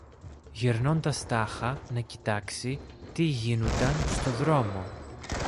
γυρνώντας τάχα να κοιτάξει τι γίνουνταν στο δρόμο